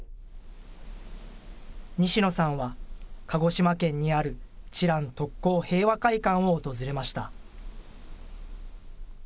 西野さんは鹿児島県にある知覧特攻平和会館を訪れました。